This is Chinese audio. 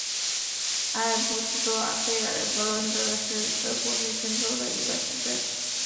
埃布斯多尔费尔格伦德是德国黑森州的一个市镇。